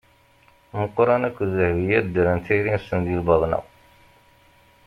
Muqran akked Dehbiya ddren tayri-nsen di lbaḍna.